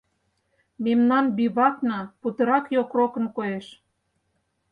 Мемнан бивакна путырак йокрокын коеш.